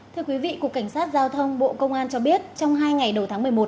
thưa quý vị cục cảnh sát giao thông bộ công an cho biết trong hai ngày đầu tháng một mươi một